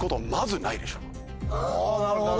あなるほど。